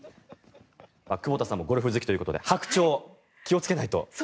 久保田さんもゴルフ好きということでハクチョウ、気をつけないと。